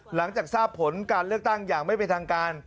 หลังจากทราบผลการเลือกตั้งอย่างไม่เป็นทางการ